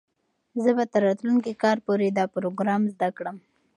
زه به تر راتلونکي کال پورې دا پروګرام زده کړم.